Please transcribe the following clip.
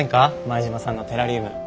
前島さんのテラリウム。